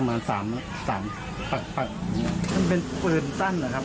กลเก่น